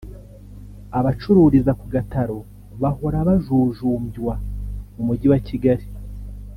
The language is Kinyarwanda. Abacururiza ku gataro bahora bajujumbywa mu Mujyi wa Kigali